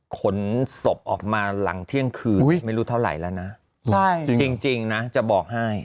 ขนศพออกมาหลังเที่ยงคืนไม่รู้เท่าไหร่แล้วนะจริงนะจะบอกให้